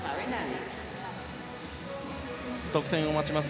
得点を待ちます